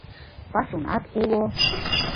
Пасунат уло